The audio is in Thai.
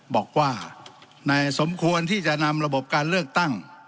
บอกว่านายสมควรที่จะนำระบบการเลือกตั้ง